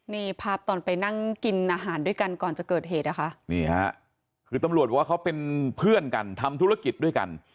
กินอาหารด้วยกันก่อนจะเกิดเหตุคือตำรวจว่าเขาเป็นเพื่อนกันทำธุรกิจด้วยกัน